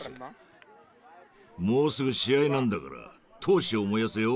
もうすぐ試合なんだから闘志を燃やせよ。